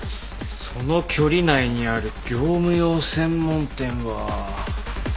その距離内にある業務用専門店は。